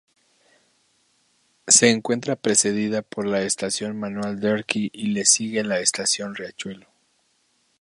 Se encuentra precedida por la Estación Manuel Derqui y le sigue la Estación Riachuelo.